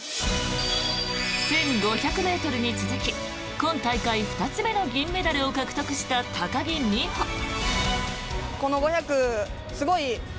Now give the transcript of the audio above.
１５００ｍに続き今大会２つ目の銀メダルを獲得した高木美帆。